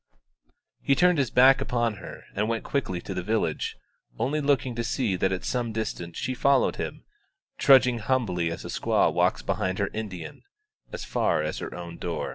He turned his back upon her and went quickly to the village, only looking to see that at some distance she followed him, trudging humbly as a squaw walks behind her Indian, as far as her own door.